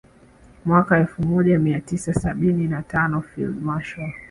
Mwaka elfu moja mia tisa sabini na tano Field Marshal